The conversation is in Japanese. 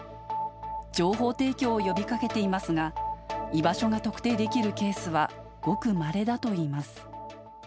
情報提供を呼びかけていますが、居場所が特定できるケースは、ごくまれだといいます。